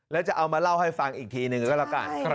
แล้วจะเอามาเล่าให้ฟังอีกทีหนึ่งก็แล้วกัน